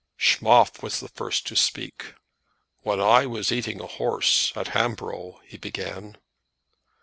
Schmoff was the first to speak. "When I was eating a horse at Hamboro' " he began.